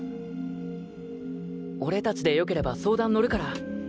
俺達で良ければ相談乗るから。